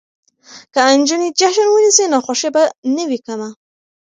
که نجونې جشن ونیسي نو خوښي به نه وي کمه.